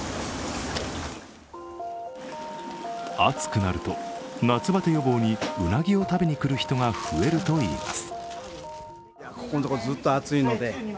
暑くなると夏バテ予防にうなぎを食べに来る人が増えるといいます。